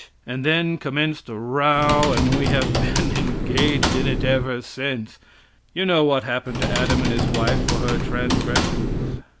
And then commenced a row, and we have been engaged in it ever since! You know what happened to Adam and his wife for her transgressions?